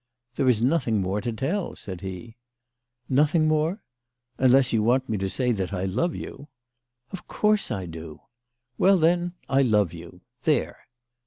" There is nothing more to tell," said he. 1 'Nothing more?" " Unless you want me to say that I love you." "Of course I do." "Well, then, I love you. There